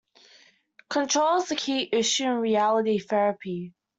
Control is a key issue in reality therapy.